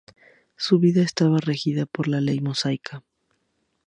Su vida estaba regida por la ley mosaica.